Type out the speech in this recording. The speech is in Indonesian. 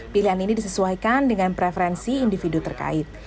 pilihan ini disesuaikan dengan preferensi individu terkait